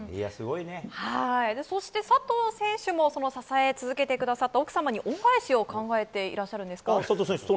そして佐藤選手を支え続けてくださった奥様に、恩返しを考えているんですか？